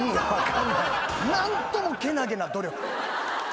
何ともけなげな努力。